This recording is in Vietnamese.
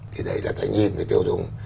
thì đấy là cái nhìn cái tiêu dùng